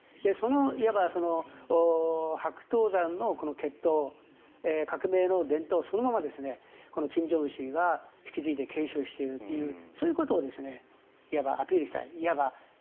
いわば白頭山の血統革命の伝統そのままを金正恩氏が引き継いで継承しているというそういうことをいわばアピールしたい。